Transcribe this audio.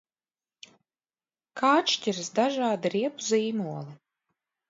Kā atšķiras dažādi riepu zīmoli?